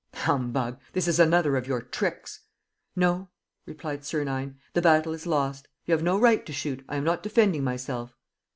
"Humbug! This is another of your tricks!" "No," replied Sernine, "the battle is lost. You have no right to shoot. I am not defending myself."